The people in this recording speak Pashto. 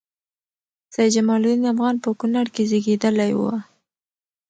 سيدجمال الدين افغان په کونړ کې زیږیدلی وه